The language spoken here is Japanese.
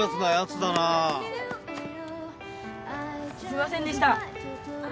すいませんでした。